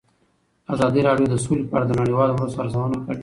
ازادي راډیو د سوله په اړه د نړیوالو مرستو ارزونه کړې.